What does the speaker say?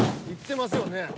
［いってますよね］